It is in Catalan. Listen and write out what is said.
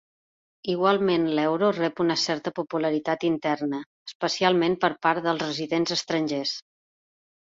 Igualment l'euro rep una certa popularitat interna, especialment per part dels residents estrangers.